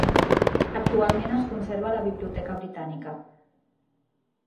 Actualment es conserva a la Biblioteca britànica.